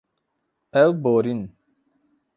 Ew borîn.